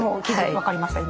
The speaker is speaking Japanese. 分かりました今。